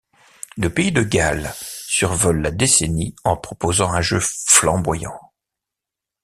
Le pays de Galles survole la décennie en proposant un jeu flamboyant.